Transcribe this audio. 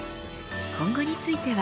今後については。